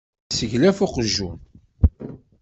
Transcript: Yesseglef uqjun.